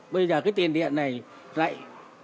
bây giờ cái tiền điện này lại